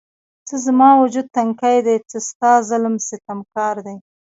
څه زما وجود تنکی دی، څه ستا ظلم ستم کار دی